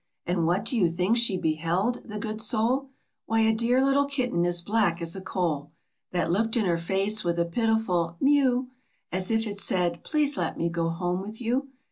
And what do you think she beheld, the good soul ? Why, a dear little kitten as black as a coal, That looked in her face with a pitiful " Miew!" As if it said, " Please let me go home with you."